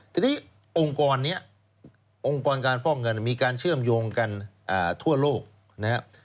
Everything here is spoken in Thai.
ทีนี้องค์กรนี้องค์กรการฟอกเงินมีการเชื่อมโยงกันทั่วโลกนะครับ